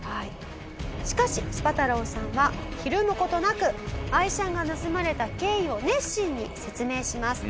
しかしスパ太郎さんはひるむ事なく愛車が盗まれた経緯を熱心に説明します。